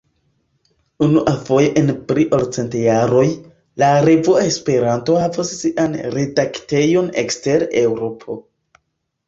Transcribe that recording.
Unuafoje en pli ol cent jaroj, la revuo Esperanto havos sian redaktejon ekster Eŭropo.